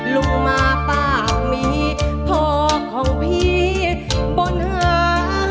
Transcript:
ลุงมาป้ามีพ่อของพี่บนหา